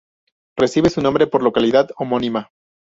Recibe su nombre por la localidad homónima.